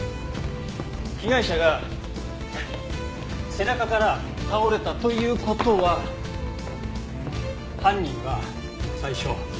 被害者が背中から倒れたという事は犯人は最初。